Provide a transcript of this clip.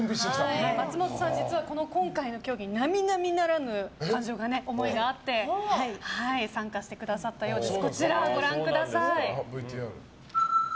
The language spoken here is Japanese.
松本さん、実は今回の競技並々ならぬ思いがあって参加してくださったようです。